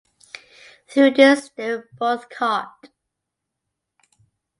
Through this they were both caught.